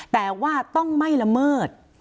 แต่ว่าต้องไม่ละเมิด